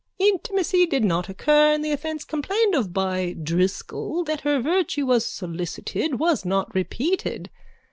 Intimacy did not occur and the offence complained of by Driscoll, that her virtue was solicited, was not repeated.